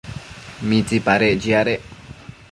¿mitsipadec chiadec